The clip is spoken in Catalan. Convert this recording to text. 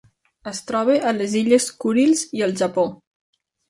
Es troba a les Illes Kurils i el Japó.